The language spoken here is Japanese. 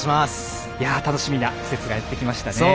楽しみな季節がやってきましたね。